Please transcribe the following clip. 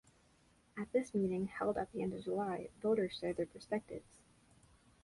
At this meeting, held at the end of July, voters shared their perspectives.